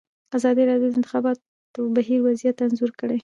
ازادي راډیو د د انتخاباتو بهیر وضعیت انځور کړی.